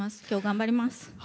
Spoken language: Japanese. きょう頑張ります。